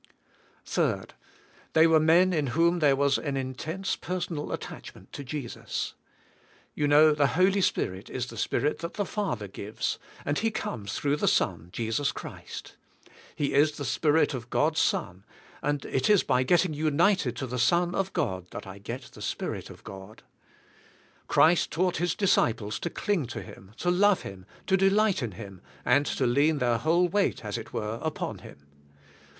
3. T/iey were men in whom there was an intense ■personal attachment to Jesus. You know, the Holy Spirit is the Spirit that the Father g ives, and He comes throug h the Son, Jesus Christ. He is the Spirit of God's Son, and it is by getting united to the Son of God that I get the Spirit of God. Christ taught His disciples to cling to Him, to love Him, to delight in Him and to lean their whole weight —• as it were— upon Him.